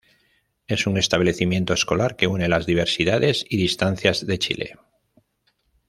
Es un establecimiento escolar que une las diversidades y distancias de Chile.